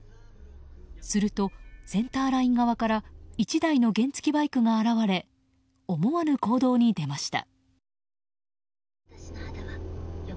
するとセンターライン側から１台の原付きバイクが現れ思わぬ行動に出ました。